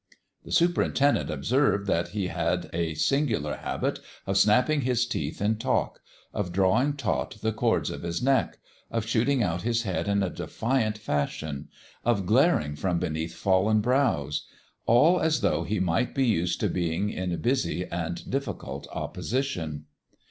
The superin tendent observed that he had a singular habit of snapping his teeth in talk of drawing taut the cords of his neck, of shooting out his head in a defiant fashion, of glaring from beneath fallen brows all as though he might be used to being in busy and difficult opposition.